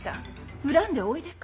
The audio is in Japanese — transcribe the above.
恨んでおいでか？